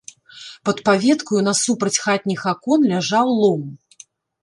Пад паветкаю насупраць хатніх акон ляжаў лом.